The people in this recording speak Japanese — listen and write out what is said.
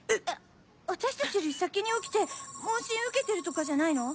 私たちより先に起きて問診受けてるとかじゃないの？